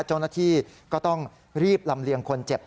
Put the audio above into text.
เจ้าหน้าที่ก็ต้องรีบลำเลียงคนเจ็บ